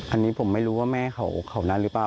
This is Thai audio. อันนี้ผมไม่รู้ว่าแม่เขานั้นหรือเปล่า